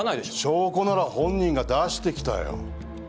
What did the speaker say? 証拠なら本人が出してきたよ。